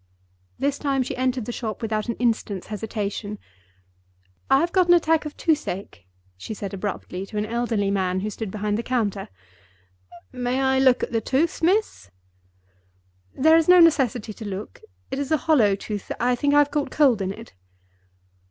This time she entered the shop without an instant's hesitation. "I have got an attack of toothache," she said, abruptly, to an elderly man who stood behind the counter. "May I look at the tooth, miss?" "There is no necessity to look. It is a hollow tooth. I think I have caught cold in it."